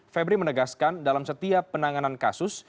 febri menegaskan dalam setiap penanganan kasus